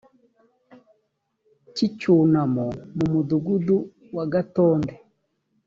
cy icyunamo mu mudugudu wa gatonde